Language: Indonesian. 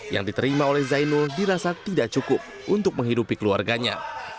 yang diterima oleh zainul dirasa tidak cukup untuk menghidupi keluarganya